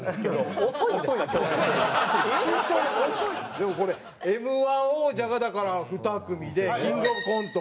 でもこれＭ−１王者がだから２組でキングオブコント。